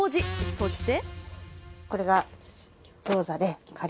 そして。